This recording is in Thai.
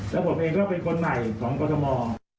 แล้วผมเองก็เป็นคนใหม่ของกรทม